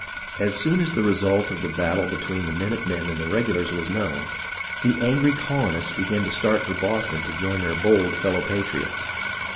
As soon as the result of the battle between the minute men and the regulars was known, the angry colonists began to start for Boston to join their bold fellow patriots.